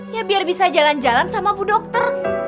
ya biar bisa jalan jalan sama bu dokter